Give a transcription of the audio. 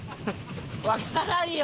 わからんよ！